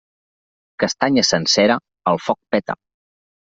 Castanya sencera, al foc peta.